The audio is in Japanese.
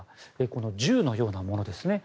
この銃のようなものですね。